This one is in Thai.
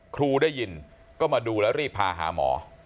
ครูได้ยินก็มาดูแล้วรีบพาหาหมอ